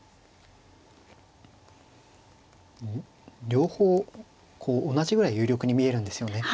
両方同じぐらい有力に見えるんですよね。